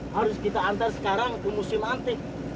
harus kita antar sekarang ke musim antik